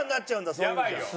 そういう意味じゃ。